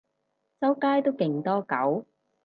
周街都勁多狗